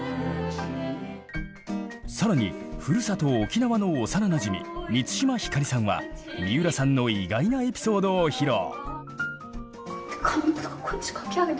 更にふるさと沖縄の幼なじみ満島ひかりさんは三浦さんの意外なエピソードを披露。